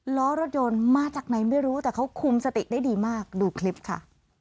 ล้อรถยนต์มาจากไหนไม่รู้แต่เขาคุมสติได้ดีมากดูคลิปค่ะ